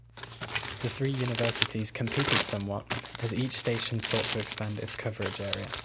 The three universities competed somewhat as each station sought to expand its coverage area.